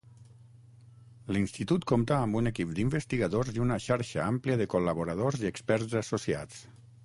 L'Institut compta amb un equip d'investigadors i una xarxa àmplia de col·laboradors i experts associats.